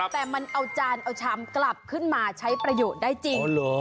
แต่มันเอาจานเอาชามกลับขึ้นมาใช้ประโยชน์ได้จริง